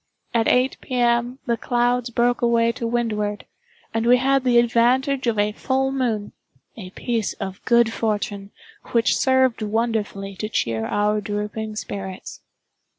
At eight P. M., the clouds broke away to windward, and we had the advantage of a full moon—a piece of good fortune which served wonderfully to cheer our drooping spirits.